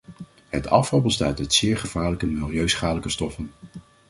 Het afval bestaat uit zeer gevaarlijke milieuschadelijke stoffen.